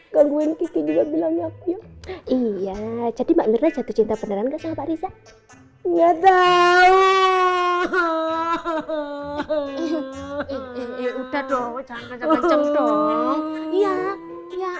kaguin juga bilangnya iya jadi mbak mirna jatuh cinta beneran nggak sama riza enggak tahu ya ya